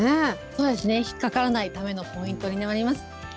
そうですね、引っかからないためのポイントになります。